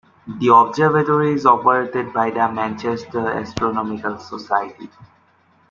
The observatory is operated by the Manchester Astronomical Society.